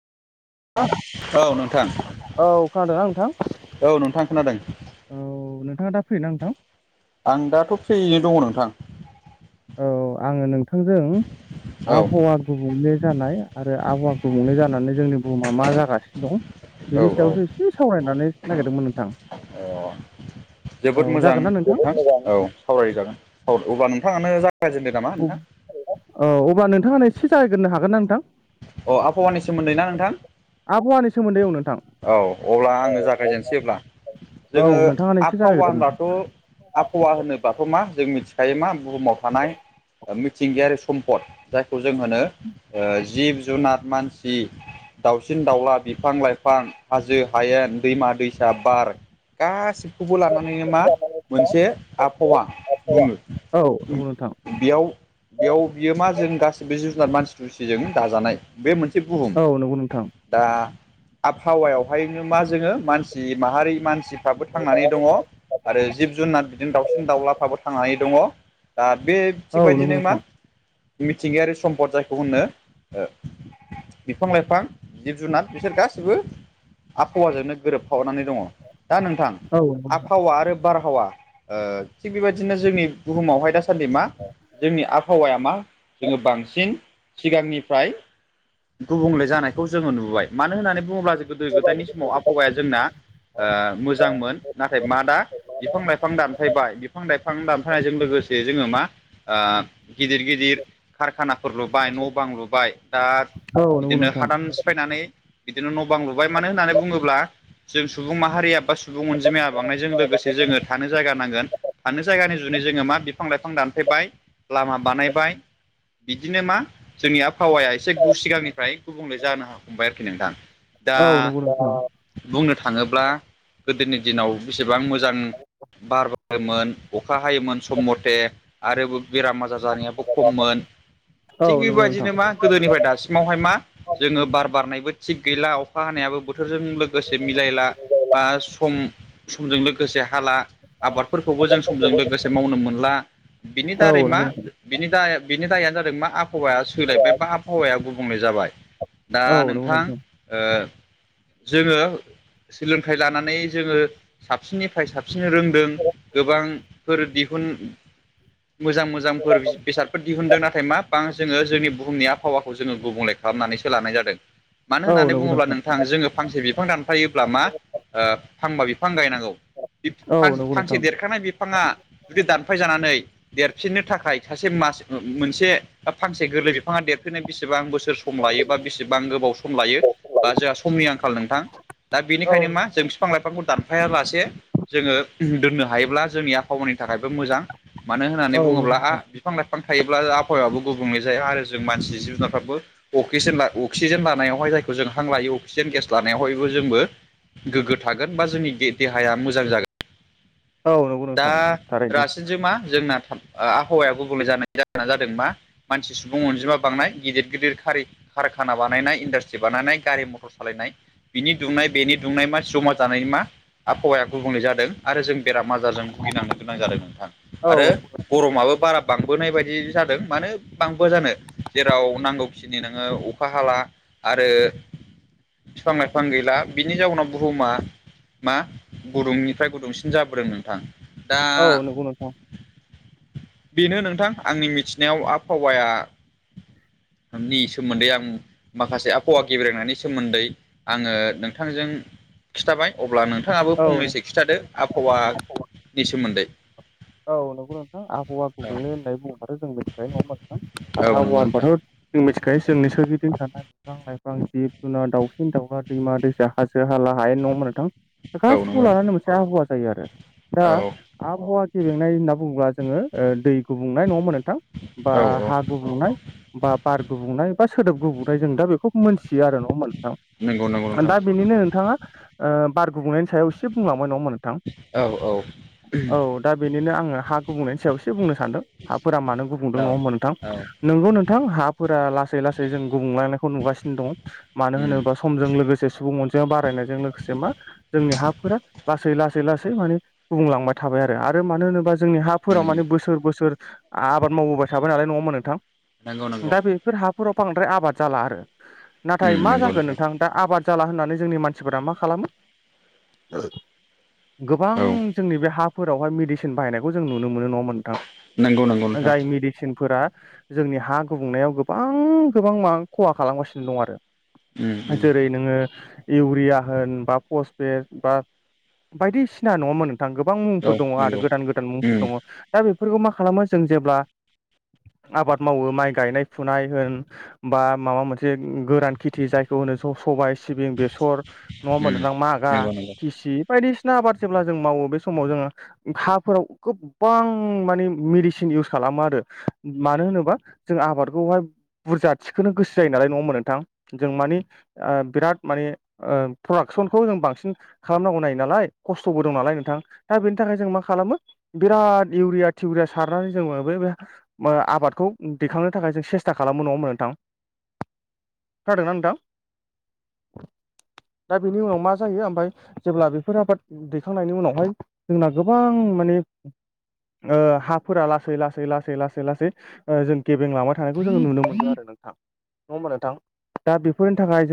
औ खोनादोंनाा नोंथां? औ नोंथां खोनादों औ नोंथाङा दा फ्रिना नोंथां? आं दाथ' फ्रियैनो दङ नोंथां औ आङो नोंथांजों औ आबहावा गुबुंले जानाय आरो आबहावा गुबुंले जानानै जोंनि बुहुमा मा जागासिनो दं औ बेनि औ सायावसो एसे सावरायनानै नागिरदोंमोन नोंथां। अ औ जोबोद मोजां जागोन ना नोंथां औ सावरायजागोन स अब्ला नोंथाङानो जागायजेनदो नामा नोंथां। औ अब्ला नोंथाङानो एसे जागायग्रोनो हागोन ना नोंथां? अ आबहावानि सोमोन्दै ना नोंथां? आबहावानि सोमोन्दै औ नोंथां औ अब्ला आङो जागायजेनसै अब्ला औ जोङो नोंथाङानो एसे आबहावा जागायग्रोदो नोंथां। होनब्लाथ' आबहावा होनोबाथ' मा जों मिथिखायो मा बुहुमाव थानाय मिथिंगायारि सम्पद। जायखौ जों होनो ओ जिब जुनार मानसि दाउसिन दाउला बिफां लाइफां हाजो हायेन दैमा दैसा बार गासिबखौबो लानानैनो मा मोनसे आबहावा बुङो। औ नंगौ नोंथां। बेयाव बेयाव बियो मा जों गासिबो जिब जुनार मानसि थुसिजों दाजानाय बे मोनसे बुहुम। दा आबहावायावहायनो मा जोङो मानसि माहारि मानसि दाबो थांनानै दङ। आरो जिब जुनार बिदिनो दाउसिन दाउलाफ्राबो थांनानै दङ दा बे औ थिग नंगौ बदिनो मा नोंथां मिथिंगायारि सम्पद जायखौ होनो ओ बिफां-लाइफां, जिब-जुनार बिसोर गासैबो आबहावाजोंनो गोरोबफावानानै दंङ' दा नोंथां औ नंगौ नोंथां आबहावा आरो बारहावा ओ थिग बेबायदिनो जोंनि बुहुमावहाय दासान्दि मा जोंनि आबहावाया मा जोंङो बांसिन सिगांनिफ्राय गुबुंले जानायखौ जोंङो नुबाय मानो होननानै बुङोब्ला जों गोदो गोदायनि समाव आबहावाया जोंना ओ मोजांमोन नाथाय मा दा बिफां लाइफां दानफायबाय बिफां लाइफां दानफायनायजों लोगोसे जोंङो मा ओ गिदिर गिदिर कारखानाफोर लुबाय न' बां लुबाय दा औ नंगौ बिदिनो नोंथां हादान सिफायनानै बिदिनो न' बां लुबाय मानो होननानै बुंङोब्ला जों सुबुं माहारिया बा सुबुं अनजिमाया बांनायजों लोगोसे जोंङो थानो जागा नांगोन थानो जायगानि जुनै जोंङो मा बिफां लाइफां दानफेबाय लामा बानायबाय बिदिनो मा जोंनि आबहावाया से गु सिगांनिफ्राय गुबुंले जानो हमबाय आरोखि नोंथां दा औ नंगौ नोंथां बुंनो थाङोब्ला गोदोनि दिनाव बेसेबां मोजां बार बारोमोन अखा हायोमोन सम मथे आरो बेराम आजार जानायाबो खममोन औ थिग नंगौ नोंथां बेबायदिनो मा गोदोनिफ्राय दासिमावहाय मा जोंङो बार बारनायबो थिग गैला अखा हानायाबो बोथोरजों लोगोसे मिलायला बा सम समजों लोगोसे हाला आबादफोरखौबो जों समजों लोगोसे मावनो मोनला बिनि औ दारै मा नंगौ नोंथां बिनि दाया बिनि दायानो जादों मा आबहावाया सोलायबाय बा आबहावाया गुबुंले जाबाय दा औ नंगौ नोंथां ओ जोंङो सोलोंथाइ लानानै जोंङो साबसिननिफ्राय साबसिन रोंदों गोबांफोर दिहुन मोजां मोजांफोर बेसादफोर दिहुनदों नाथाय मा बां जोंङो जोंनि बुहुमनि आबहावाखौ जोंङो गुबुंले खालामनानैसो लानाय जादों मानो औ होननानै नंगौ बुंङोब्ला औ नंगौ नोंथां जोंङो फांसे बिफां दानफायोब्ला मा फांबा बिफां गायनांगौ औ नंगौ फांसे नोंथां देरखानाय बिफांङा जुदि दानफाय जानानै देरफिननो थाखाय सासे मास मोनसे फांसे गोरलै फांङा देरफैनाय बेसेबांं बो सम लायो बा बेसेबां गोबाव सम लायो बा जोंहा समनि आंखाल नोंथां दा औ बेनिखायनो मा जों बिफां लाइफांखौ दानफायालासे जोंङो दोननो हायोब्ला जोंनि आबहावानि थाखायबो मोजां मानो होननानै औ नंगौ बुंङोब्ला नोंथां बिफां लाइफां थायोब्ला आबहावायाबो गुबुंले जाया आरो जों मानसि जिब जुनारफ्राबो अक्सिजेन अक्सिजेन लानायावहाय जायखौ जों हां लायो अक्सिजेन गेस लानायावहायबो जोंबो गोग्गो थागोन बा जोंनि दे-देहाया मोजां जागोन औ नंगौ नोंथां दा थारैनो रासिनसो मा जोंना आबहावाया गुबुंले जानायनि जाहोना जादों मा मानसि सुबुं अनजिमा बांनाय गिदिर गिदिरारि कारखाना बानायनाय इन्डासट्रि बानायनाय गारि मथर सालायनाय बिनि दुंनाय बेनि दुंनाय मा जमा जानायनि मा आबहावाया गुबुंले जादों आरो जों बेरामा रजों भुगिनांनो गोनां जादों नोंथां औ आरो गरमाबो बारा बांबोनायबादि जादों मानो बांबोआ जानो जेराव नांगौ दिनै नोंङो अखा हाला आरो बिफां लाइफां गैला बिनि जाउनाव बुहुमा मा गुदुंनिफ्राय गुदुंसिन जाबोदों नोंथां दा औ नंगौ नोंथां बेनो नोंथां आंनि मिथिनायाव आबहावाया नि सोमोनदै आं माखासे आबहावा गेब्रेनायनि सोमोन्दै आंङो नोंथांजों खिथाबाय अब्ला नों थांङाबो औ फंनैसो औ खिथादो आबहावानि सोमोन्दै औ नंगौ नोंथां आबहावा गुबुंले होन्नानै बुंङोब्लाथ जों मिथिखायो नङा होमब्ला नोंथां। औ आबहावा नंगौ नोंथां होनबाथ' जों मिथिखायो जोंनि सोरगिदिं थासारि बिफां लाइफां जिब जुनार दावसिन दाउला दैमा दैसा हाजो हाला हायेन। नङा होनबा नोंथां? बे औ गासिखौबो नंगौ नोंथां लानानै मोनसे आबहावा जायो आरो दा औ आबहावा गेबेंनाय होनना बुङोब्ला जोङो दै गुबुंनाय नङा होनबा नोंथां बा औ औ हा गुबुंनाय बा बार गुबुंनाय बा सोदोब गुबुंनाय जों दा बेखौ मोनथियो आरो। नंगौ नंगौ नोंथां नोंथां दा बेनिनो नोंथाङा बार गुबुंनायनि सायाव एसे बुंलांबाय नङा मोन औ औ। दा बेनिनो आङो हा गुबुंनायनि सायाव एसे बुंनो सान्दों हाफोरा मानो गुबुंदों नङा होनबा नोंथां? नोंगौ नोंथां हाफोरा लासै लासै जों गुबुंलांनायखौ नुगासिनो दङ। मानो उम होनोबा समजों लोगोसे सुबुं अनजिमा बारायनायजों लोगोसे मा जोंनि हाफोरा लासै लासै लासै माने गुबुंलांबाय थाबाय आरो। आरो मानो होनोबा जोंनि हाफोराव उम माने बोसोर बोसोर आबाद मावबोबाय थाबाय नालाय नङा होनबा नोंथां। नंगौ नंगौ दा बेफोर हाफोराव बांद्राय आबाद जाला आरो। नाथाय उम मा नंगौ जाखो नोंथां दा आबाद जाला होननानै जोंनि मानसिफोरा मा खालामो गोबां औ जोंनि बे हाफोरावहाय मेडिसिन बाहायनायखौ जों नुनो मोनो नङा नंगौ नंगौ थां नोंथां जाय मेडिसिनफोरा जोंनि हा गुबुंनायाव गोबां गोबां मा खहा खालामगासिनो दं आरो। उम उम जेरै नों ओ इउरिया होन बा पसपेट बा बायदिसिना नङा होनबा नोंथां गोबां औ मुंफोर दङ आरो नंगौ गोदान गोदान मुंफोर उम उम दङ। दा बेफोरखौ मा खालामो जों जेब्ला आबाद मावो माइ गायनाय फुनाय होन बा माबा मोनसे गोरान खेथि जायखौ होनो सबाय सिबिं बे बेसर नङा होनबा नोंथां मागा नंगौ नंगौ थिसि बायदिसिना आबाद जेब्ला जों मावो बे समाव जोङो हाफोराव गोबां माने मेडिसिन इउस खालामो आरो। मानो होनोबा जों आबादखौहाय बुरजा थिखोनो गोसो जायो नालाय नङा होनबा नोंथां। जों मानि बिराद माने प्रडाक्सनखौ जों बांसिन खालामनांगौ नाय नालाय खस्थ'बो दं नालाय नोंथां। बेनि थाखाय जों मा खालामो बिराद इउरिया टिउरिया सारनानै जोङो बे बे बो आबादखौ दैखांनो थाखाय जों सेस्था खालामो नङा होमबा नोंथां। खोनादोंना नोंथां। दा बेनि उनाव मा जायो ओमफ्राय जेब्ला बेफोर आबाद दैखांनायनि उनावहाय जोंना गोबां माने ओ हाफोरा लासै लासै लासै लासै लासै जों गेबें लांबाय थानायखौ जों नुनो मोनो आरो नोंथां। नङा होमबा नोंथां? दा बेफोरनि थाखाय जों